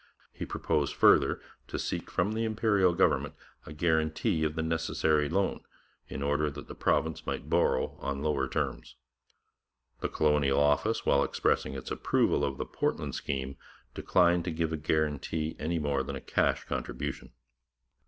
He proposed further to seek from the Imperial government a guarantee of the necessary loan, in order that the province might borrow on lower terms. The Colonial Office, while expressing its approval of the Portland scheme, declined to give a guarantee any more than a cash contribution.